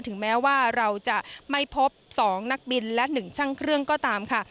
ถึงแม้ว่าเราจะไม่พบ๒นักบินและ๑ช่างเครื่องก็ตามค่ะ